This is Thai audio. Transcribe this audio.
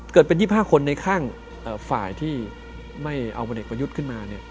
เกิดเป็น๒๕คนในข้างฝ่ายที่ไม่เอาพลเอกประยุทธ์ขึ้นมา